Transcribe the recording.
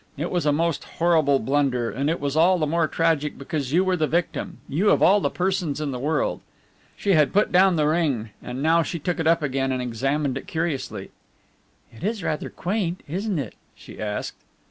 It was a most horrible blunder, and it was all the more tragic because you were the victim, you of all the persons in the world!" She had put the ring down, and now she took it up again and examined it curiously. "It is rather quaint, isn't it?" she asked.